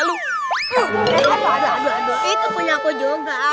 aduh aduh aduh itu punya aku juga